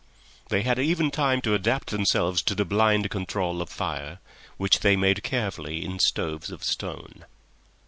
They had even time to adapt themselves to the blind control of fire, which they made carefully in stoves of stone.